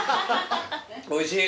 おいしい。